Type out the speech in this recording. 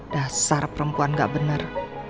dasar perempuan gak bener